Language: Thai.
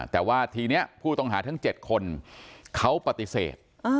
แต่ว่าทีนี้ผู้ต้องหาทั้ง๗คนเขาปฏิเสธ